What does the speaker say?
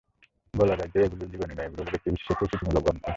বলা যায় যে, এগুলো জীবনী নয়, এগুলো হলো ব্যক্তি বিশেষের পরিচিতিমূলক গ্রন্থ।